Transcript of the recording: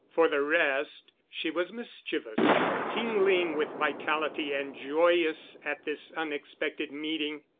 For the rest, she was mischievous, tingling with vitality and joyous at this unexpected meeting.